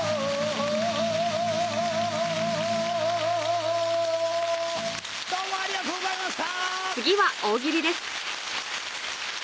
おおおどうもありがとうございました！